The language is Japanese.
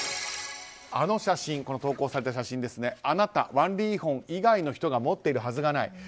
あの写真、投稿された写真をあなたワン・リーホン以外の人が持っているはずがない。